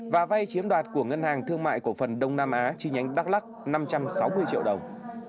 và vay chiếm đoạt của ngân hàng thương mại cổ phần đông nam á chi nhánh đắk lắc năm trăm sáu mươi triệu đồng